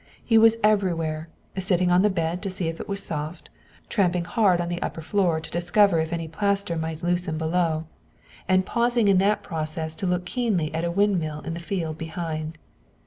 He was everywhere, sitting on the bed to see if it was soft, tramping hard on the upper floor to discover if any plaster might loosen below, and pausing in that process to look keenly at a windmill in the field behind.